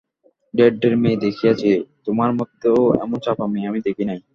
ঢের ঢের মেয়ে দেখিয়াছি, তোমার মতো এমন চাপা মেয়ে আমি দেখি নাই।